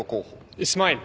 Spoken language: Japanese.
イスマイル。